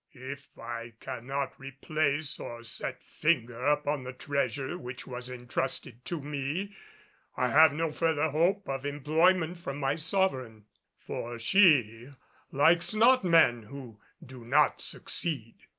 If I cannot replace or set finger upon the treasure which was entrusted to me, I have no further hope of employment from my sovereign; for she likes not men who do not succeed.